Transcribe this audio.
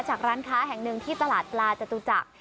ร้านค้าแห่งหนึ่งที่ตลาดปลาจตุจักร